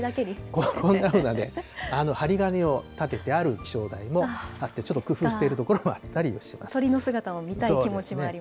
こんなふうなね、針金を立ててある気象台もあって、ちょっと工夫しているところもあったりし鳥の姿を見たい気持ちもあり